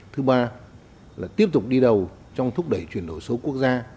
thứ ba là tiếp tục đi đầu trong thúc đẩy chuyển đổi số quốc gia